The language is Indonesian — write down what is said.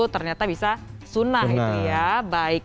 ternyata bisa sunnah